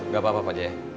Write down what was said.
gak apa apa pajaya